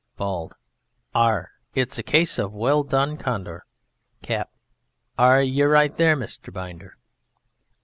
BALD: Ar! it's a case of "Well done, Condor!" CAP: Ar! you're right there, Mr. Binder.